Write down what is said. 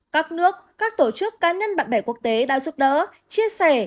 các nước các tổ chức cá nhân bạn bè quốc tế đã giúp đỡ chia sẻ